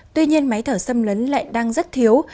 tuy nhiên máy thở xâm lấn lại đang rất thiếu